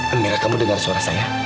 bendera kamu dengar suara saya